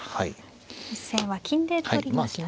実戦は金で取りましたね。